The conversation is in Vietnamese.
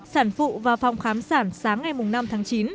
sản phụ vào phòng khám sản sáng ngày năm tháng chín